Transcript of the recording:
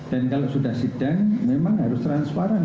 dan kalau sudah sidang memang harus transparan